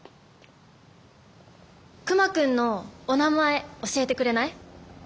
熊くんのお名前教えてくれない？